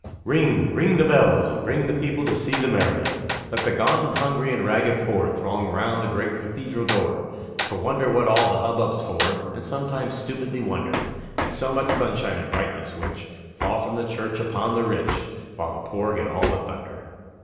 Ring! ring the bells, and bring The people to see the marrying! Let the gaunt and hungry and ragged poor Throng round the great cathedral door, To wonder what all the hubbub's for, And sometimes stupidly wonder At so much sunshine and brightness which Fall from the church upon the rich, While the poor get all the thunder.